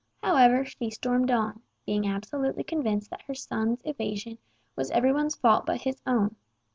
However, she stormed on, being absolutely convinced that her son's evasion was every one's fault but his own.